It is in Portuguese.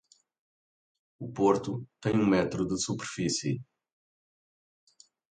O Porto tem um metro de superfície.